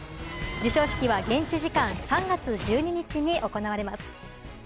授賞式は現地時間３月１２日に行われます。